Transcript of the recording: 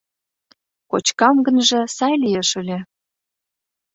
Кочкам гынже, сай лиеш ыле...